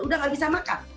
udah nggak bisa makan